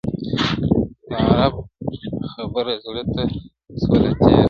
د عرب خبره زړه ته سوله تېره،